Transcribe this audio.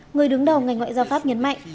người đứng đầu ngành ngoại giao pháp nhấn mạnh